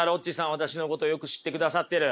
私のことよく知ってくださってる。